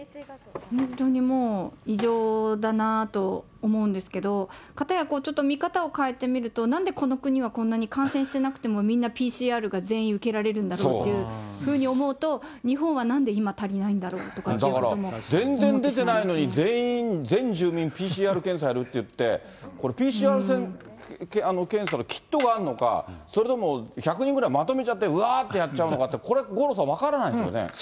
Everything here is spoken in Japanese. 本当にもう異常だなと思うんですけど、かたやこう、ちょっと見方を変えて見ると、なんでこの国はこんなに感染してなくても、みんなＰＣＲが全員受けられるんだというふうに思うと、日本はなんで今、足りないんだろうっていうことも思ってしまいまだから全然出てないのに、全員、全住民ＰＣＲ検査やるっていって、これ、ＰＣＲ検査のキットがあるのか、それとも１００人ぐらいまとめちゃってうわーってやっちゃうのかって、これ五郎さん、分からないですよね。